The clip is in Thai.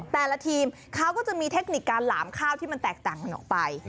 แต่ละทีมเขาก็จะมีเทคนิคการหลามข้าวที่มันแตกต่างกันออกไป